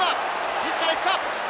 自ら行くか。